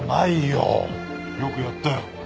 よくやったよ。